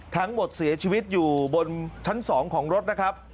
ทั้งหมดเสียชีวิตอยู่บนชั้น๒ของรถนะครับ